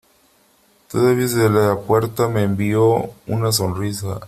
todavía desde la puerta me envió una sonrisa .